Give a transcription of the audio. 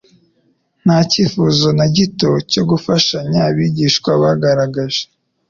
Nta cyifuzo na gito cyo gufashanya abigishwa bagaragaje.